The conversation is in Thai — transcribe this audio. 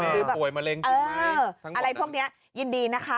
หรือป่วยมะเร็งจริงไหมทั้งหมดนั้นอะไรพวกเนี่ยยินดีนะคะ